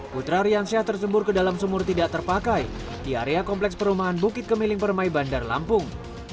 putra riansyah tersembur ke dalam sumur tidak terpakai di area kompleks perumahan bukit kemiling permai bandar lampung